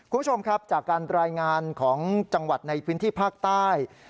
คุณผู้ชมครับจากการรายงานของจังหวัดในพื้นที่ภาคใต้